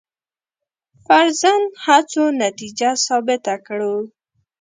فرضاً هڅو نتیجه ثابته کړو.